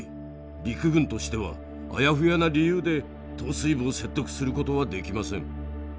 陸軍としてはあやふやな理由で統帥部を説得することはできません。